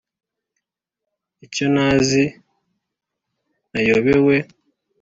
icyo ntazi nayobewe